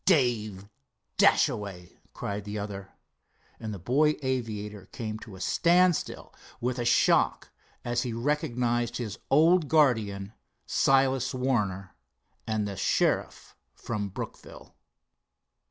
"Dave Dashaway!" cried the other. And the boy aviator came to a standstill with a shock, as he recognized his old guardian, Silas Warner, and the sheriff from Brookville.